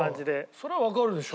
それはわかるでしょ。